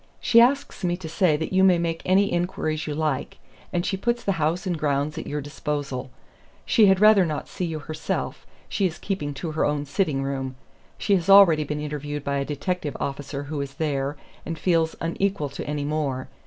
She asks me to say that you may make any inquiries you like, and she puts the house and grounds at your disposal. She had rather not see you herself; she is keeping to her own sitting room. She has already been interviewed by a detective officer who is there, and feels unequal to any more.